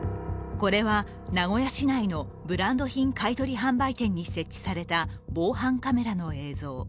これは、名古屋市内のブランド品買い取り販売店に設置された防犯カメラの映像。